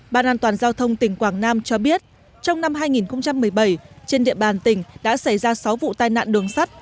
ban an toàn giao thông tỉnh quảng nam cho biết trong năm hai nghìn một mươi bảy trên địa bàn tỉnh đã xảy ra sáu vụ tai nạn đường sắt